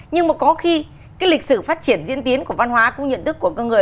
nhưng mà có khi cái lịch sử phát triển diễn tiến của văn hóa cũng nhận thức của con người